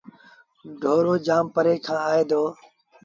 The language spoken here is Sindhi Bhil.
ڍورو جآم پري کآݩ آئي دو۔